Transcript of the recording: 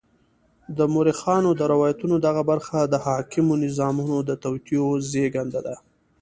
د مورخانو د روایتونو دغه برخه د حاکمو نظامونو د توطیو زېږنده ده.